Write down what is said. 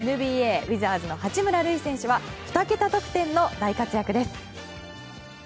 そして、バスケットボールＮＢＡウィザーズの八村塁選手は２桁得点の大活躍です。